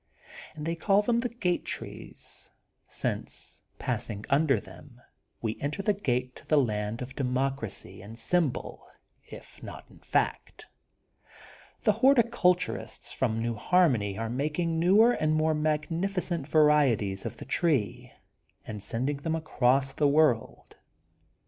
And they call them The Gate Trees, since, passing under them, we enter the gate to the free land of democracy in symbol if not in fact. The hor ticulturists from New Harmony are making newer and more magnificent varieties of the tree and sending them across the world.